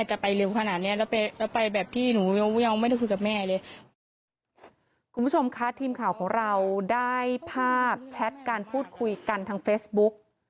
คุณผู้ชมคะทีมข่าวของเราได้ภาพแชทการพูดคุยกันทางเฟซบุ๊ก